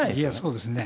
いや、そうですね。